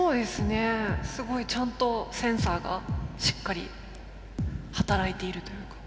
すごいちゃんとセンサーがしっかり働いているというか。